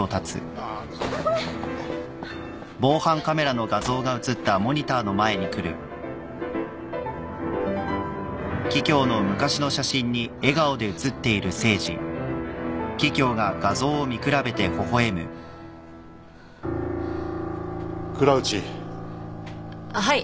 あっはい。